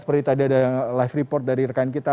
seperti tadi ada live report dari rekan kita